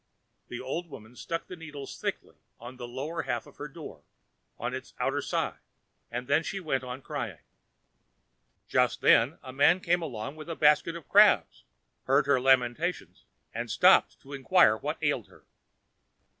The old woman stuck the needles thickly over the lower half of her door, on its outer side, and then she went on crying. Just then a man came along with a basket of crabs, heard her lamentations, and stopped to inquire what ailed her.